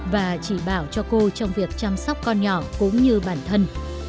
và chỉ bảo cho cô trong việc chăm sóc con nhỏ cũng như bản thân